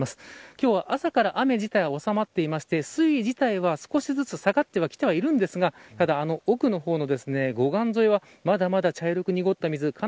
今日は朝から雨自体はおさまっていまして水位自体は少しずつ下がってきてはいるんですがただ奥の方の護岸沿いはまだまだ茶色く濁った水